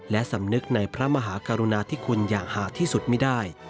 และสำนึกในพระมหากรุณาที่คุณอย่างหาดที่สุดไม่ได้